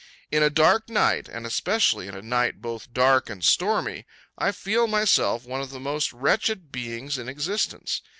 In a dark night, and especially in a night both dark and stormy, I feel myself one of the most wretched beings in existence.